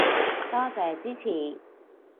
多謝支持